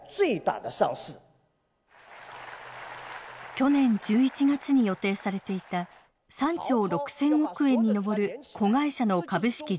去年１１月に予定されていた３兆６，０００億円に上る子会社の株式上場。